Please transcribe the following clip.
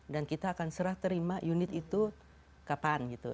dan kita akan serah terima unit itu kapan gitu